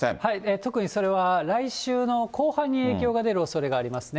特にそれは来週の後半に影響が出るおそれがありますね。